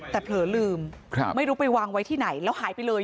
แต่เผลอลืมไม่รู้ไปวางไว้ที่ไหนแล้วหายไปเลย